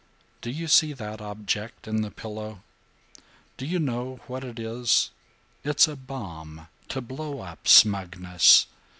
"Do you see that object on the pillow? Do you know what it is? It's a bomb to blow up smugness.